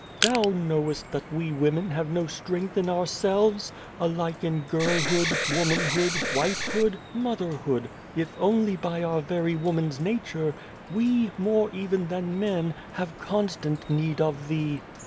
" Thou knowest that we women have no strength in ourselves. Alike in girlhood, womanhood, wifehood, motherhood if only by 294 Without a Child our very woman's nature we, more even than men, have constant need of Thee.